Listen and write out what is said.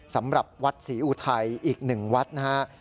สำหรับวัดศรีอุทัยอีก๑วัดนะครับ